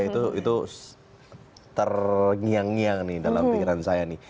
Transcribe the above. itu terngiang ngiang nih dalam pikiran saya nih